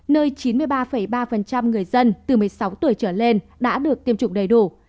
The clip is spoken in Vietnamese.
nơi chín mươi ba ba người dân từ một mươi sáu tuổi trở lên đã được tiêm chủng đầy đủ